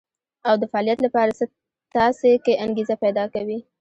او د فعاليت لپاره څه تاسې کې انګېزه پيدا کوي.